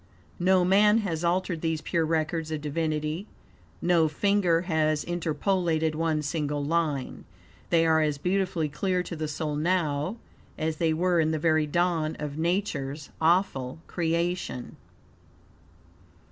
No man has altered these pure records of divinity; no finger has interpolated one single line. They are as beautifully clear to the soul now as they were in the very dawn of Nature's awful creation.